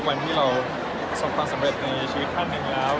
วันที่เราประสบความสำเร็จในชีวิตท่านหนึ่งแล้ว